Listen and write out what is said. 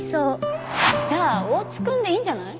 じゃあ大津君でいいんじゃない？